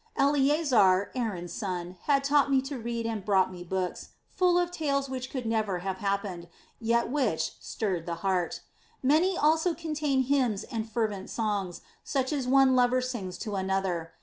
"Eleasar, Aaron's son, had taught me to read and brought me books, full of tales which could never have happened, yet which stirred the heart. Many also contained hymns and fervent songs such as one lover sings to another.